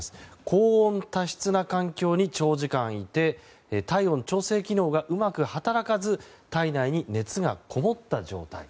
高温多湿な環境に長時間いて体温調整機能がうまく働かず体内に熱がこもった状態。